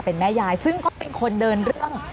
เป็นแม่ยายซึ่งก็เป็นคนเดินเรื่อง